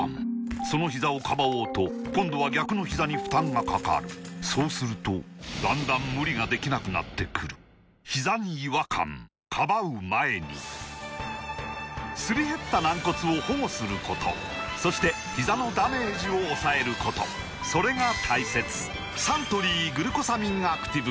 そのひざをかばおうと今度は逆のひざに負担がかかるそうするとだんだん無理ができなくなってくるすり減った軟骨を保護することそしてひざのダメージを抑えることそれが大切サントリー「グルコサミンアクティブ」